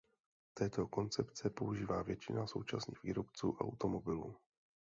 Této koncepce používá většina současných výrobců automobilů.